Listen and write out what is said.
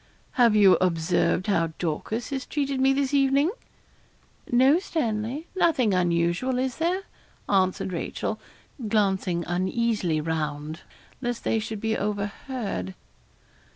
'Have you observed how Dorcas has treated me this evening?' 'No, Stanley; nothing unusual, is there?' answered Rachel, glancing uneasily round, lest they should be overheard.